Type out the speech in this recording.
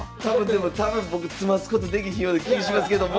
でも多分僕詰ますことできひんような気いしますけども。